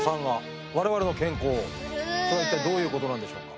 それは一体どういうことなんでしょうか？